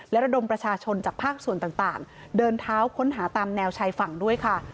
และระดมประชาชนจากภาคส่วนต่างเดินเท้าค้นหาตามแนวชายฝั่งด้วยค่ะ